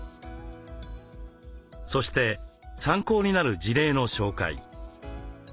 そして参考になる事例の紹介。